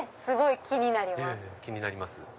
すごい気になります。